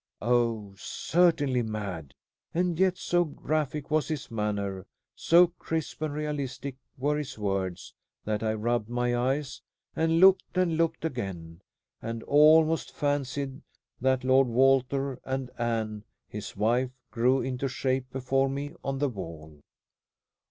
Oh, certainly mad! And yet so graphic was his manner, so crisp and realistic were his words, that I rubbed my eyes; and looked and looked again, and almost fancied that Lord Walter and Anne, his wife, grew into shape before me on the wall.